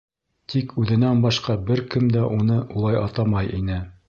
Тик үҙенән башҡа бер кем дә уны улай атамай ине.